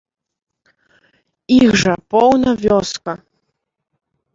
Іх жа поўна вёска.